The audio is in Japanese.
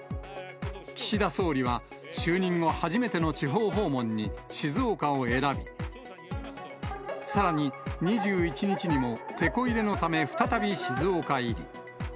岸田総理は就任後初めての地方訪問に静岡を選び、さらに、２１日にもてこ入れのため、再び静岡入り。